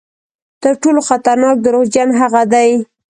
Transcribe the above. تر ټولو خطرناک دروغجن هغه دي.